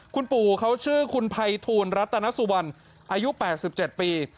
คุณปู่เขาชื่อคุณภัยทูลรัตนสุวรรณอายุ๘๗ปี